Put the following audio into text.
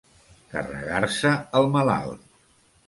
Carregar-se el malalt.